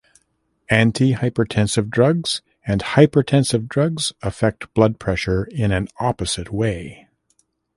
Antihypertensive drugs and hypertensive drugs affect blood pressure in an opposite way.